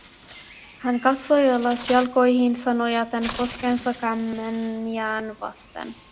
Hän katsoi alas jalkoihinsa nojaten poskensa kämmeniään vasten.